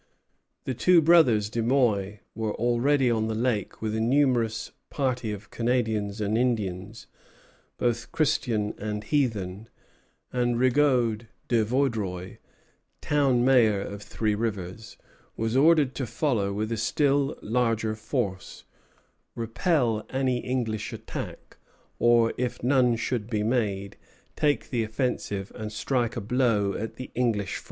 The two brothers De Muy were already on the lake with a numerous party of Canadians and Indians, both Christian and heathen, and Rigaud de Vaudreuil, town major of Three Rivers, was ordered to follow with a still larger force, repel any English attack, or, if none should be made, take the offensive and strike a blow at the English frontier.